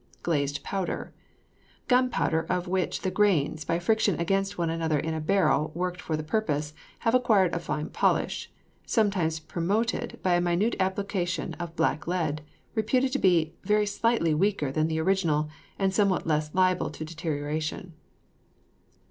GLAZED POWDER. Gunpowder of which the grains, by friction against one another in a barrel worked for the purpose, have acquired a fine polish, sometimes promoted by a minute application of black lead; reputed to be very slightly weaker than the original, and somewhat less liable to deterioration.